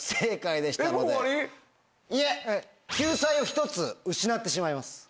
いえ救済を１つ失ってしまいます。